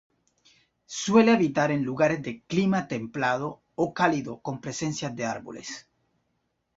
Suele habitar en lugares de clima templado o cálido con presencia de árboles.